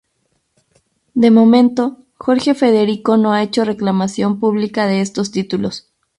De momento, Jorge Federico no ha hecho reclamación pública de estos títulos.